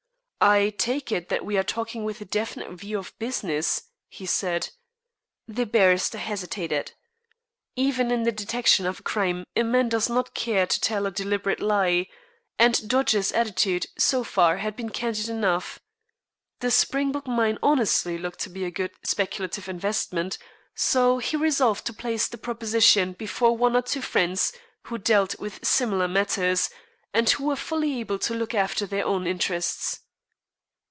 "I take it that we are talking with a definite view to business?" he said. The barrister hesitated. Even in the detection of a crime a man does not care to tell a deliberate lie, and Dodge's attitude so far had been candid enough. The Springbok Mine honestly looked to be a good speculative investment, so he resolved to place the proposition before one or two friends who dealt with similar matters, and who were fully able to look after their own interests.